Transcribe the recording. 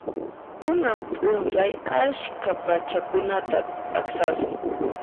Kunan p'unchay askha p'achakunata t'aqsasun.